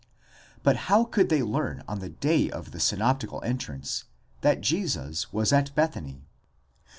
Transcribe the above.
But how could they learn on the day of the synoptical entrance, that Jesus was at Bethany?